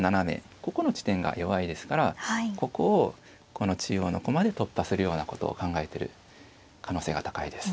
ここの地点が弱いですからここをこの中央の駒で突破するようなことを考えてる可能性が高いです。